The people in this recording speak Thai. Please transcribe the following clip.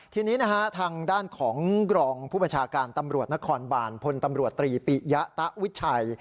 ทีนี้นะฮะทางด้านของกรองผู้ประชาการตำรวจนครบาลพลตำรวจตรีปิยะตะวิชัย